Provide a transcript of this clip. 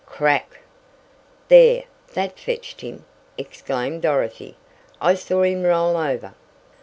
Crack! "There! That fetched him!" exclaimed Dorothy. "I saw him roll over."